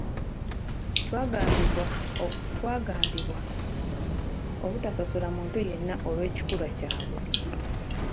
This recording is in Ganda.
Twagambibwa obutasosola muntu yenna olw'ekikula kyabwe.